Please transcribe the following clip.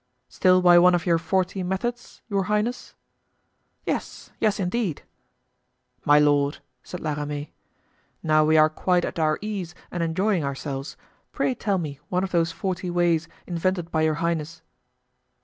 "Still by one of your forty methods, your highness?" "Yes, yes, indeed." "My lord," said La Ramee, "now we are quite at our ease and enjoying ourselves, pray tell me one of those forty ways invented by your highness."